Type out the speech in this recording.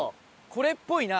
これっぽいな。